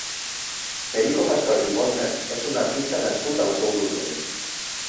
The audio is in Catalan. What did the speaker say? Perico Pastor i Bodmer és un artista nascut a la Seu d'Urgell.